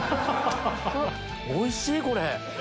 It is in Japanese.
おいしいこれ。